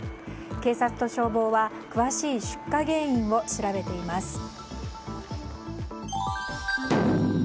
警察と消防は詳しい出火原因を調べています。